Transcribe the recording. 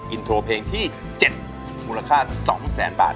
อินโทรเพลงที่๗มูลค่า๒แสนบาท